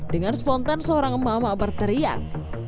dengan spontan seorang emak emak berteriak